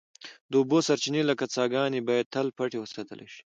د اوبو سرچینې لکه څاګانې باید تل پټې وساتل شي.